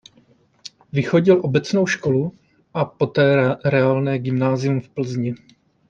Vychodil obecnou školu a poté reálné gymnázium v Plzni.